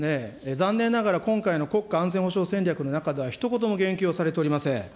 残念ながら今回の国家安全保障戦略の中では、ひと言も言及をされておりません。